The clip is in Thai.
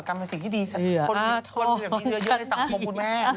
อันตรีสิ่งที่ดีคนเหลือเยอะเยอะในสังคมคุณแม่